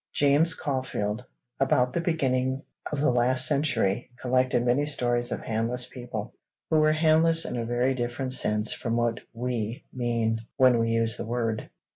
James Caulfield, about the beginning of the last century, collected many stories of handless people who were 'handless' in a very different sense from what we mean, when we use the word.